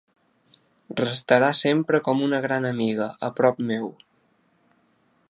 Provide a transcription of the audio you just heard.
Restarà sempre com una gran amiga, a prop meu.